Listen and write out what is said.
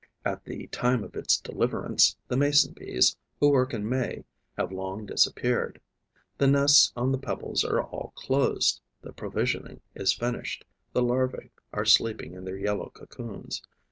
At the time of its deliverance, the Mason bees, who work in May, have long disappeared. The nests on the pebbles are all closed, the provisioning is finished, the larvae are sleeping in their yellow cocoons.